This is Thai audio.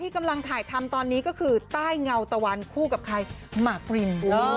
กำลังถ่ายทำตอนนี้ก็คือใต้เงาตะวันคู่กับใครหมากปริน